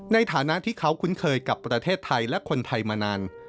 ในฐานะที่เขาคุ้นเคยกับประเทศไทยและคนไทยมานาน